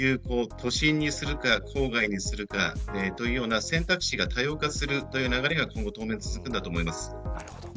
都心にするか郊外にするかというような選択肢が多様化するという流れが当面続くんだと思います。